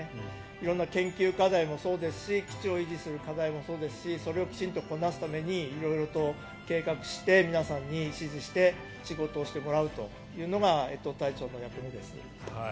色んな研究課題もそうですし基地を維持する課題もそうですしそれをきちんとこなすために色々と計画して皆さんに指示して仕事をしてもらうというのが越冬隊長の役目です。